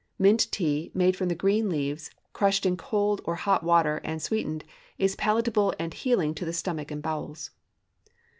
Mint tea, made from the green leaves, crushed in cold or hot water and sweetened, is palatable and healing to the stomach and bowels.